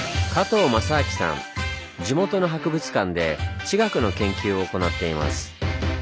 地元の博物館で地学の研究を行っています。